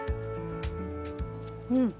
うん。